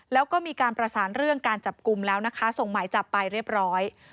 แล้วก็มีการประสานเรื่องการจับกลุ่มแล้วนะคะส่งหมายจับไปเรียบร้อย